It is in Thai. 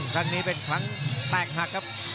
ครั้งนี้เป็นครั้งแตกหักครับ